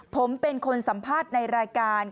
ผมเป็นคนสัมภาษณ์ในรายการ